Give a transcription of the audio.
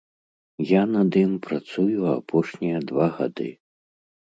Я над ім працую апошнія два гады.